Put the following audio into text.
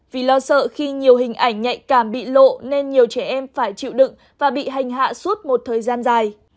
vì lo sợ khi nhiều hình ảnh nhạy cảm bị lộ nên nhiều trẻ em phải chịu đựng và bị hành hạ suốt một thời gian dài